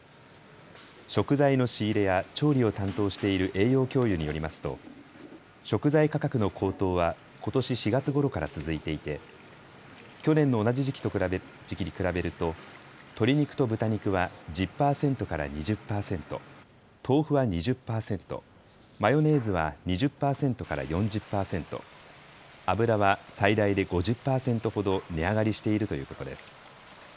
食材の仕入れや調理を担当している栄養教諭によりますと食材価格の高騰はことし４月ごろから続いていて去年の同じ時期に比べると鶏肉と豚肉は１０％から２０％、豆腐は２０％、マヨネーズは２０％から４０％、油は最大で５０％ほど値上がりしているということです。